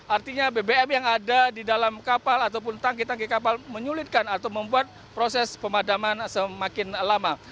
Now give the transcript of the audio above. artinya bbm yang ada di dalam kapal ataupun tangki tangki kapal menyulitkan atau membuat proses pemadaman semakin lama